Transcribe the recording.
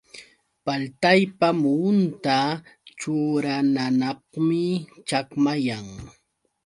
Paltaypa muhunta churananapqmi chakmayan.